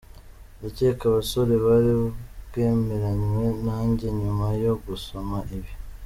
Ndacyeka abasore bari bwemeranywe nanjye nyuma yo gusoma ibi :.